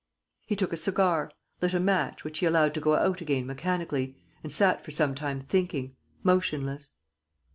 ..." He took a cigar, lit a match, which he allowed to go out again mechanically, and sat for some time thinking, motionless.